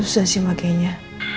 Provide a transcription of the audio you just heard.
susah sih magenya